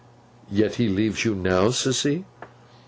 'Yet he leaves you now, Sissy?